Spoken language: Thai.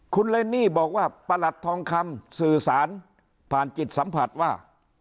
คุณเรนนี่บอกว่าประหลัดทองคำสื่อสารผ่านจิตสัมผัสว่า